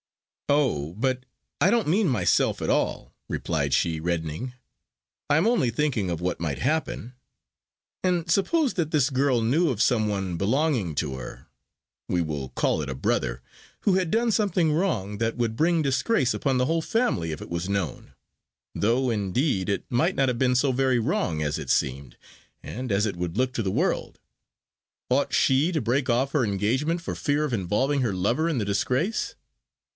"Oh! but I don't mean myself at all," replied she, reddening. "I am only thinking of what might happen; and suppose that this girl knew of some one belonging to her we will call it a brother who had done something wrong, that would bring disgrace upon the whole family if it was known though, indeed, it might not have been so very wrong as it seemed, and as it would look to the world ought she to break off her engagement for fear of involving her lover in the disgrace?"